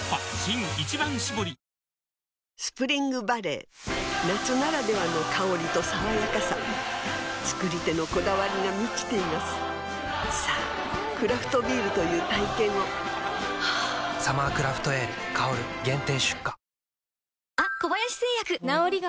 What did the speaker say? スプリングバレー夏ならではの香りと爽やかさ造り手のこだわりが満ちていますさぁクラフトビールという体験を「サマークラフトエール香」限定出荷